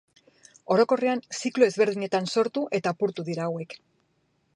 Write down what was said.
Orokorrean ziklo ezberdinetan sortu eta apurtu dira hauek.